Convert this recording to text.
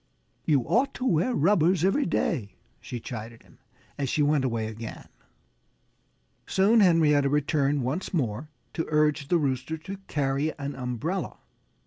"You ought to wear rubbers every day," she chided him, as she went away again. Soon Henrietta returned once more to urge the Rooster to carry an umbrella.